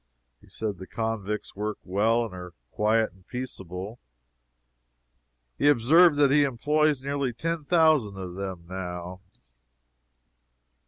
He says the convicts work well, and are quiet and peaceable. He observed that he employs nearly ten thousand of them now.